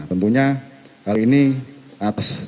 tentunya hal ini atas